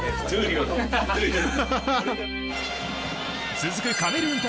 続くカメルーン対